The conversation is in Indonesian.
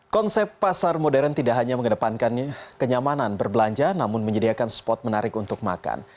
konsep pasar modern tidak hanya mengedepankan kenyamanan berbelanja namun menyediakan spot menarik untuk makan